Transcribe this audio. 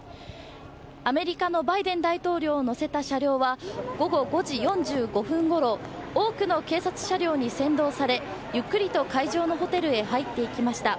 アメリカのバイデン大統領を乗せた車両は午後５時４５分ごろ多くの警察車両に先導されゆっくりと会場のホテルへ入っていきました。